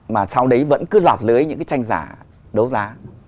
mà sau đấy vẫn cứ lọt lưới những cái tranh giả đấu giá